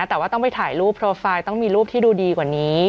แต่ว่าต้องไปถ่ายรูปโปรไฟล์ต้องมีรูปที่ดูดีกว่านี้